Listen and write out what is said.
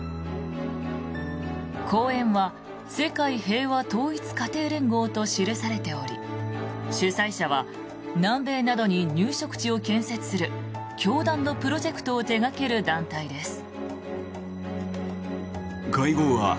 後援は世界平和統一家庭連合と記されており主催者は南米などに入植地を建設する教団のプロジェクトを手掛ける団体です。